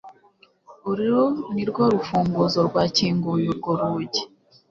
uru nirwo rufunguzo rwakinguye urwo rugi